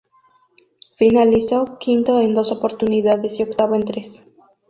Finalizó quinto en dos oportunidades y octavo en tres.